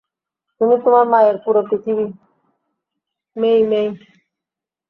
তুমি তোমার মায়ের পুরো পৃথিবী, মেই-মেই।